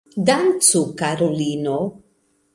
Dancu karulino!